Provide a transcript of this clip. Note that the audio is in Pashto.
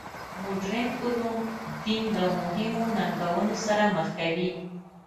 مډرن علوم دین له مهمو ننګونو سره مخ کوي.